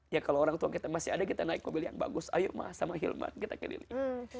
ya kalau orang tua kita masih ada kita naik mobil yang bagus ayo sama hilman kita ke diri